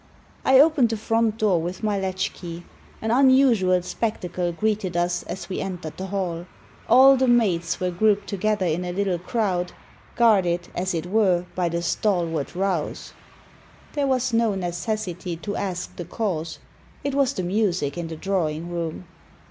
I opened the front door with my latchkey. An unusual spectacle greeted us as we entered the hall. All the maids were g^rouped together in a little crowd, guarded, as it were, by the stalwart Rouse. There was no necessity to ask the cause — ^it was the music in the drawing room.